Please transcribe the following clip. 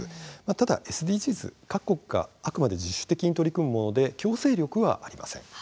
ただし、ＳＤＧｓはあくまで各国が自主的に取り組むもので強制力はありません。